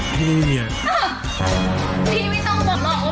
พี่ไปบอกเมียพี่เถอะ